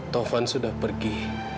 taufan sudah pergi